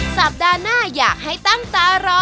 สัปดาห์หน้าอยากให้ตั้งตารอ